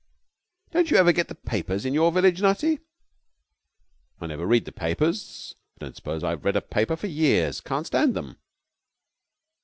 'Don't you ever get the papers in your village, Nutty?' 'I never read the papers. I don't suppose I've read a paper for years. I can't stand 'em.